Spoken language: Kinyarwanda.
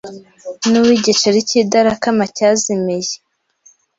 n’uw’igiceri cy’idarakama cyazimiye